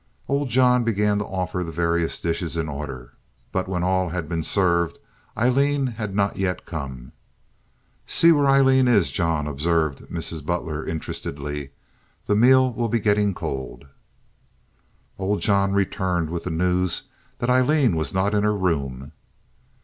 Old John began to offer the various dishes in order; but when all had been served Aileen had not yet come. "See where Aileen is, John," observed Mrs. Butler, interestedly. "The meal will be gettin' cold." Old John returned with the news that Aileen was not in her room.